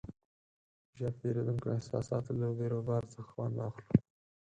ژر تېرېدونکو احساساتو له بیروبار څخه خوند واخلو.